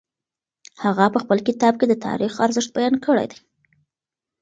هغه په خپل کتاب کي د تاریخ ارزښت بیان کړی دی.